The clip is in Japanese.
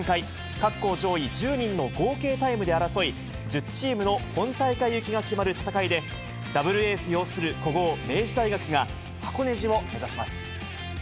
各校上位１０人の合計タイムで争い、１０チームの本大会行きが決まる戦いで、ダブルエース擁する古豪、明治大学が箱根路を目指します。